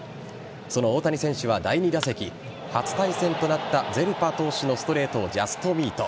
その大谷選手は第２打席初対戦となったゼルパ投手のストレートをジャストミート。